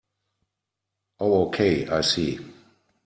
Oh okay, I see.